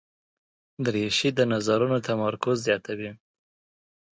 دریشي د نظرونو تمرکز زیاتوي.